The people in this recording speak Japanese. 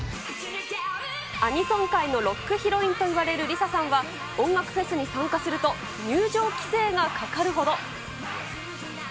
アニソン界のロックヒロインといわれるリサさんは、音楽フェスに参加すると、入場規制がかかるほど。